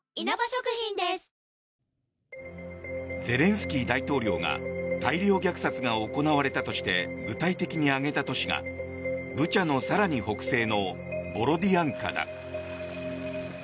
ゼレンスキー大統領が大量虐殺が行われたとして具体的に挙げた都市がブチャの更に北西のボロディアンカだ。